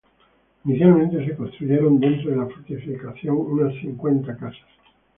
Inicialmente, se construyeron dentro de la fortificación unas cincuenta casas.